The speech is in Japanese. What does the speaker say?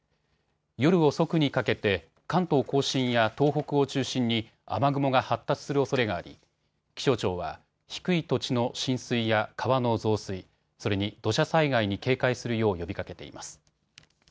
夜遅くにかけて関東甲信や東北を中心に雨雲が発達するおそれがあり気象庁は低い土地の浸水や川の増水、それに土砂災害に警戒するよう呼びかけています。